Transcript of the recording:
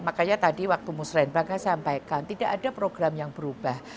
makanya tadi waktu musrembang saya sampaikan tidak ada program yang berubah